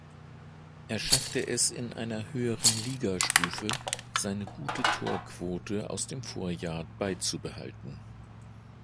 Er schaffte es in einer höheren Ligastufe seine gute Torquote aus dem Vorjahr beizubehalten.